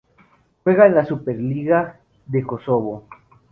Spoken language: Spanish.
Juega en la Superliga de Kosovo.